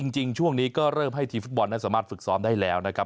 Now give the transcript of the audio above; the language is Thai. จริงช่วงนี้ก็เริ่มให้ทีมฟุตบอลนั้นสามารถฝึกซ้อมได้แล้วนะครับ